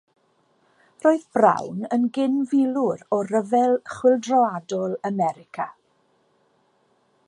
Roedd Brown yn gyn-filwr o Ryfel Chwyldroadol America.